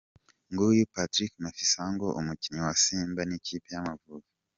Nguyu Patrick Mafisango umukinnyi wa Simba n'ikipe y'Amavubi.